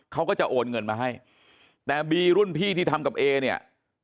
เขาก็จะโอนเงินมาให้แต่บีรุ่นพี่ที่ทำกับเอเนี่ย